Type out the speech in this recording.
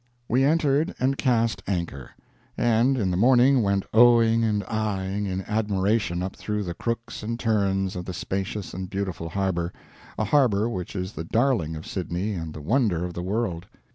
We entered and cast anchor, and in the morning went oh ing and ah ing in admiration up through the crooks and turns of the spacious and beautiful harbor a harbor which is the darling of Sydney and the wonder of the world.